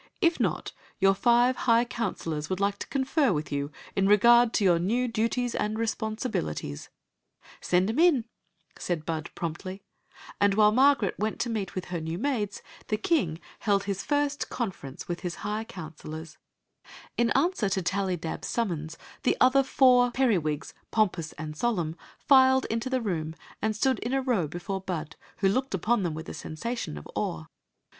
"If not your five high counselors would like to confer with you in regard to your new duties and responsibilities." Story of the Magic Cloak 6i " Send 'em in," said Bud, prompciy ; and while Margaret went to meet her new maids the king held his first conference with his high counselors. vent 63 Queen Zixi of Ix; or, the In answer to Tallydab's summons the other four periwigs, pompous and solemn, filed into the room and stood in a row before Bud, who looked upon them with a sensation of awe.